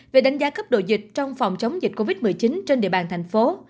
về đánh giá cấp độ dịch trong phòng chống dịch covid một mươi chín trên địa bàn thành phố